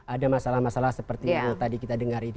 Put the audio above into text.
ada masalah masalah seperti yang tadi kita dengar ini